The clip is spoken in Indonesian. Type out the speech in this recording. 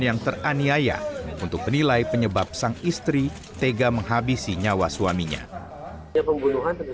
yang teraniaya untuk menilai penyebab sang istri tega menghabisi nyawa suaminya pembunuhan